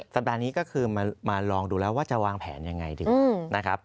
สัปดาห์นี้ก็คือมาลองดูแล้วว่าจะวางแผนยังไงดีนะครับ